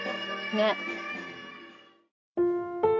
ねっ。